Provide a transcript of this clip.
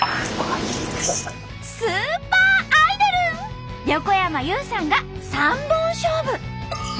スーパーアイドル横山裕さんが三本勝負！